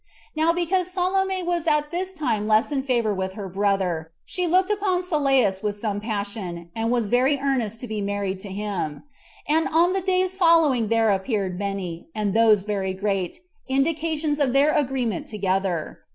Now because Salome was at this time less in favor with her brother, she looked upon Sylleus with some passion, and was very earnest to be married to him; and on the days following there appeared many, and those very great, indications of their agreement together.